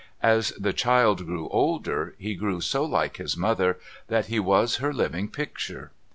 As the child grew older, he grew so like his mother that he was her living picture.